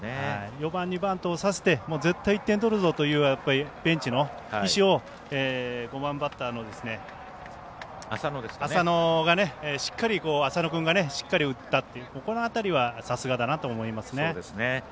４番にバントさせて絶対に１点を取るぞというベンチの意思を５番バッターの浅野君がしっかり打ったというこの辺りはさすがだなと思いますね。